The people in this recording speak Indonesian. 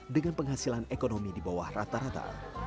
dengan penghasilan ekonomi di bawah rata rata